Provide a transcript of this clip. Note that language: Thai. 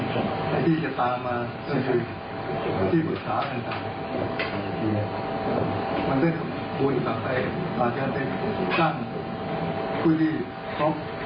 ให้ที่จะตามมาซึ่งคือที่ฝุตศาสตร์กันต่าง